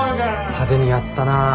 派手にやったな。